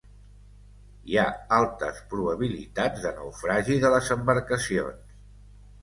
Hi ha altes probabilitats de naufragi de les embarcacions.